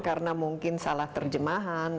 karena mungkin salah terjemahan